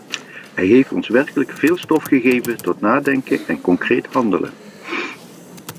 Hij heeft ons werkelijk veel stof gegeven tot nadenken en concreet handelen.